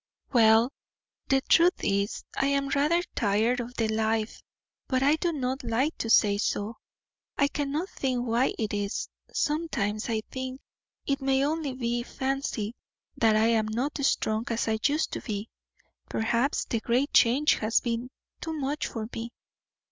"Well, the truth is, I am rather tired of the life; but I do not like to say so. I cannot think why it is; sometimes I think it may only be fancy, that I am not strong as I used to be; perhaps the great change has been too much for me.